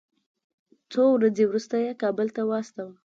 څو ورځې وروسته یې کابل ته واستاوه.